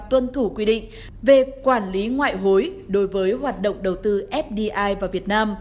thông tư quy định về quản lý ngoại hối đối với hoạt động đầu tư fdi vào việt nam